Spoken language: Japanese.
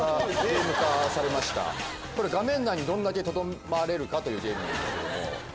画面内にどれだけとどまれるかというゲームなんですけども。